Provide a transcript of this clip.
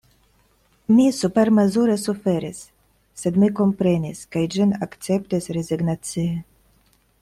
Mi supermezure suferis; sed mi komprenis, kaj ĝin akceptis rezignacie.